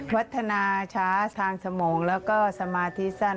พัฒนาช้าทางสมองแล้วก็สมาธิสั้น